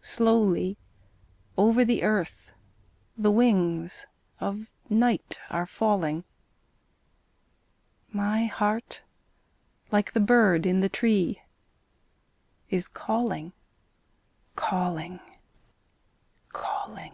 Slowly over the earth The wings of night are falling; My heart like the bird in the tree Is calling, calling, calling.